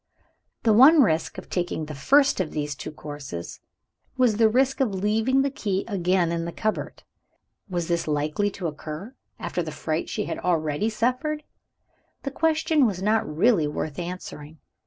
The one risk of taking the first of these two courses, was the risk of leaving the key again in the cupboard. Was this likely to occur, after the fright she had already suffered? The question was not really worth answering.